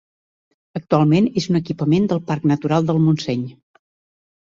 Actualment és un equipament del Parc Natural del Montseny.